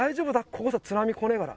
ここさ津波来ねえから」